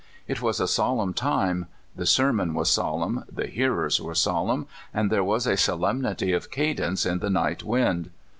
It was a solemn time ; the sermon was solemn, the hearers were solemn, ajid there was a solemnity of cadence in the night wind.